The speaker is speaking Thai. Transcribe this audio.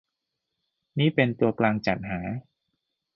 นี่เป็นตัวกลางจัดหา ?